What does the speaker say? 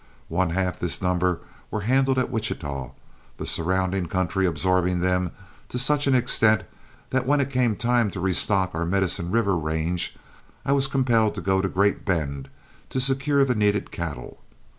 One half this number were handled at Wichita, the surrounding country absorbing them to such an extent that when it came time to restock our Medicine River range I was compelled to go to Great Bend to secure the needed cattle.